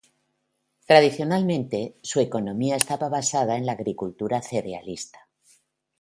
Tradicionalmente, su economía estaba basada en la agricultura cerealista.